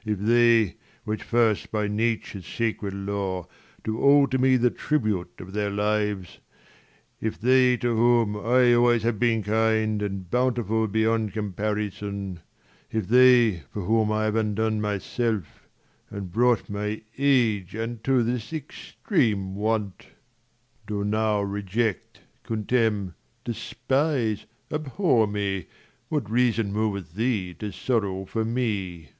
80 Jr . i..w . mi If they, which first by Nature's sacred law Do owe to me the tribute of their lives ; If they to whom I always have been kind, And bountiful beyond comparison ; If they, for whom I have undone myself,] 85 And brought my age unto this extreme want, Do now reject, contemn, despise, abhor me, What reason moveth thee to sorrow for me ? Per.